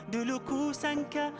dulu ku sangka